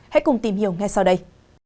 hãy cùng tìm hiểu ngay sau đây